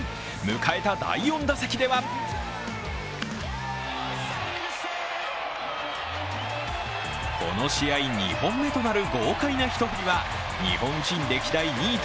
迎えた第４打席ではこの試合２本目となる豪快な一振りは日本人歴代２位